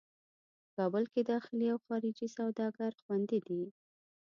په کابل کې داخلي او خارجي سوداګر خوندي دي.